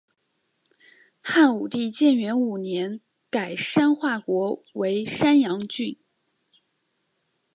汉武帝建元五年改山划国为山阳郡。